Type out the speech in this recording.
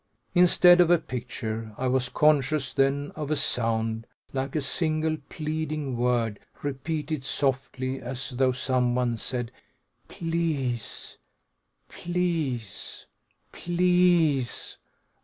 Instead of a picture, I was conscious then of a sound, like a single pleading word repeated softly, as though someone said "Please! Please! Please!"